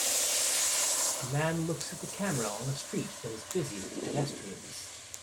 A man looks at the camera on a street that is busy with pedestrians.